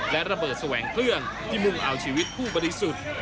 และระเบิดแสวงเครื่องที่มุ่งเอาชีวิตผู้บริสุทธิ์